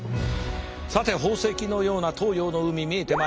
さて宝石のような東洋の海見えてまいりました。